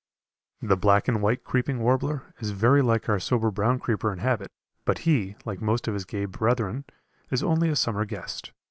The black and white creeping warbler is very like our sober brown creeper in habit, but he, like most of his gay brethren, is only a summer guest.